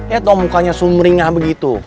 eh dong mukanya sumringah begitu